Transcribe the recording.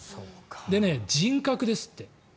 で、人格ですって。